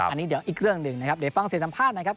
อันนี้เดี๋ยวอีกเรื่องหนึ่งนะครับเดี๋ยวฟังเสียงสัมภาษณ์นะครับ